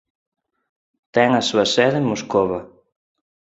Ten a súa sede en Moscova.